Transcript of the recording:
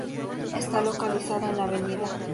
Está localizada en la Av.